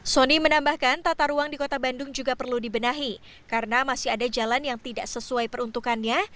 sony menambahkan tata ruang di kota bandung juga perlu dibenahi karena masih ada jalan yang tidak sesuai peruntukannya